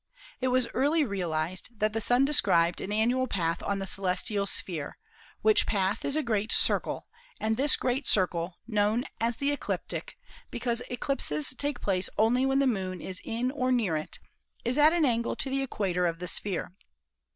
It was early realized that the Sun de 91 92 ASTRONOMY scribed an annual path on the celestial sphere, which path is a great circle, and this great" circle, known as the eclip tic because eclipses take place only when the Moon is in or near it, is at an angle to the equator of the sphere.